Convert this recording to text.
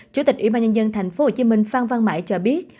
chủ tịch ủy ban nhân dân thành phố hồ chí minh phan văn mãi cho biết